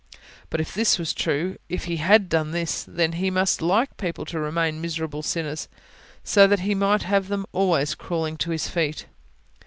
But, if this were true, if He had done this, then He must LIKE people to remain miserable sinners, so that He might have them always crawling to His feet.